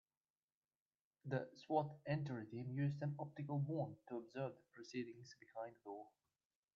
The S.W.A.T. entry team used an optical wand to observe the proceedings behind the door.